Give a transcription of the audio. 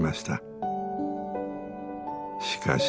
しかし。